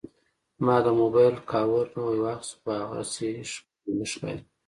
ما د موبایل کاور نوی واخیست، خو هغسې ښکلی نه ښکاري.